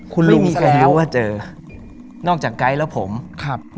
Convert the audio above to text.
คุณลูงซะแล้วไม่มีใครรู้ว่าเจอ